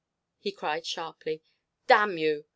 he cried sharply. "Damn you!"